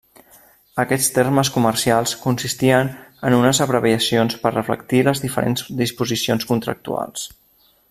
Aquests termes comercials consistien en unes abreviacions per reflectir les diferents disposicions contractuals.